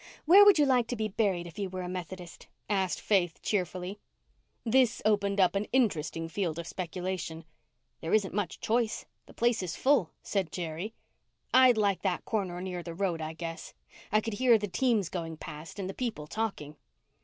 "Where would you like to be buried if you were a Methodist?" asked Faith cheerfully. This opened up an interesting field of speculation. "There isn't much choice. The place is full," said Jerry. "I'd like that corner near the road, I guess. I could hear the teams going past and the people talking."